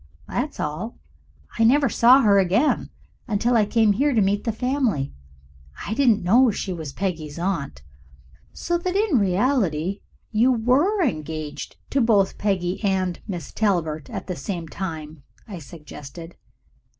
That's all. I never saw her again until I came here to meet the family. I didn't know she was Peggy's aunt." "So that in reality you WERE engaged to both Peggy and Miss Talbert at the same time," I suggested.